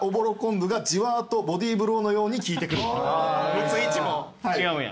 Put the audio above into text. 打つ位置も違うんや。